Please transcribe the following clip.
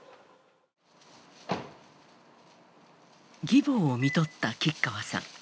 義母をみとった吉川さん。